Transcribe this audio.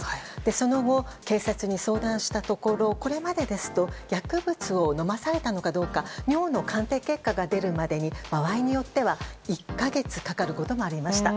その後、警察に相談したところこれまでですと薬物を飲まされたのかどうか尿の鑑定結果が出るまでに場合によっては１か月かかることもありました。